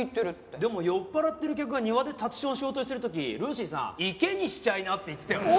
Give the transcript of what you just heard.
でも酔っぱらってる客が庭で立ちションしようとしてる時ルーシーさん「池にしちゃいな」って言ってたよね？